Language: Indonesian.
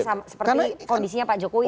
seperti kondisinya pak jokowi di jogja